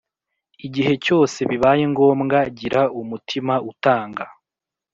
igihe cyose bibaye ngombwa gira umutima utanga